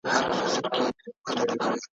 د لږکیو په وړاندي تبعیض باید پای ته ورسیږي.